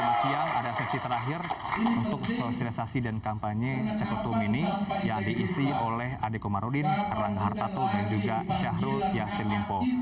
pada jumat siang ada sesi terakhir untuk sosialisasi dan kampanye cekotom ini yang diisi oleh adek marudin erlangga hartatu dan juga syahrul yasin limpo